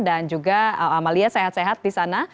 dan juga amalia sehat sehat di sana